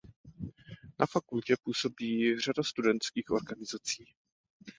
Na fakultě působí řada studentských organizací.